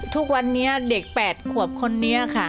ทุกวันนี้เด็ก๘ขวบคนนี้ค่ะ